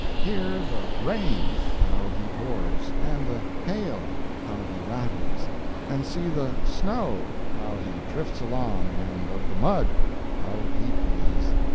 Hear the Rain, how he pours, and the Hail, how he rattles; and see the Snow, how he drifts along, and of the Mud, how deep he is!